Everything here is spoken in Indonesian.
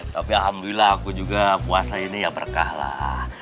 tapi alhamdulillah aku juga puasa ini ya berkah lah